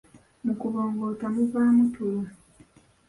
Mu kubongoota muvaamu tulo.